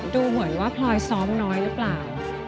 ดูเหมือนว่าพลอยซ้อมน้อยหรือเปล่า